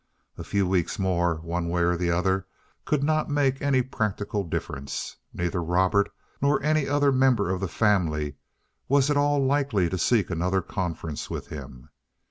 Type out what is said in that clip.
A few weeks more, one way or the other, could not make any practical difference. Neither Robert nor any other member of the family was at all likely to seek another conference with him.